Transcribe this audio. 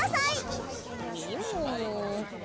みもも。